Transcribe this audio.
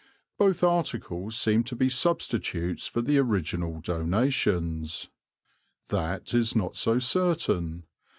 Both articles seem to be substitutes for the original donations." That is not so certain.